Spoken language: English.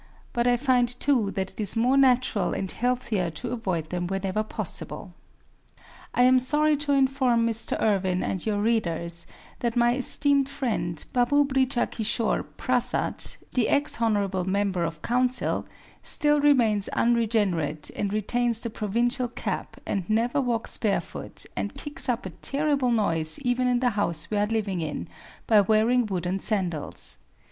But I find too that it is more natural and healthier to avoid them whenever possible. I am sorry to inform Mr. Irwin and your readers that my esteemed friend Babu Brijakishore Prasad, the "ex Hon. Member of Council," still remains unregenerate and retains the provincial cap and never walks barefoot and "kicks up" a terrible noise even in the house we are living in by wearing wooden sandals.